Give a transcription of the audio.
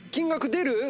出る。